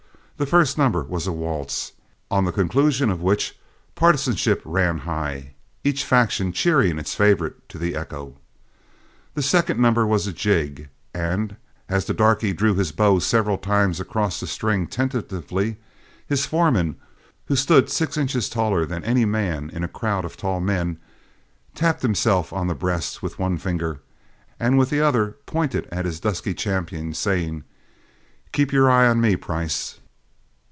The first number was a waltz, on the conclusion of which partisanship ran high, each faction cheering its favorite to the echo. The second number was a jig, and as the darky drew his bow several times across the strings tentatively, his foreman, who stood six inches taller than any man in a crowd of tall men, tapped himself on the breast with one forefinger, and with the other pointed at his dusky champion, saying, "Keep your eye on me, Price.